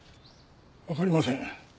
わかりません。